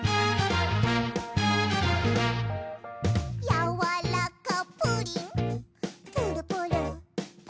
「やわらかプリンプルプルプルプル」